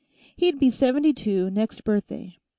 He'd be seventy two next birthday.